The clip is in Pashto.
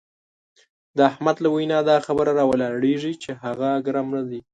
د احمد له وینا دا خبره را ولاړېږي چې هغه ګرم نه دی.